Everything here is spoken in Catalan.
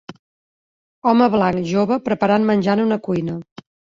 Home blanc jove preparant menjar en una cuina.